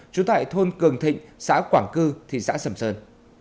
trú tại thôn cường thịnh xã quảng cư thị xã sầm sơn